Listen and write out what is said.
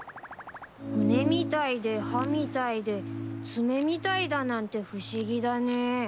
骨みたいで歯みたいで爪みたいだなんて不思議だね。